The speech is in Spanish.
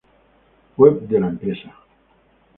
Web de la empresa